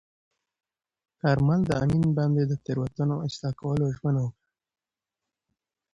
کارمل د امین بانډ د تېروتنو اصلاح کولو ژمنه وکړه.